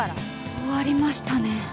終わりましたね。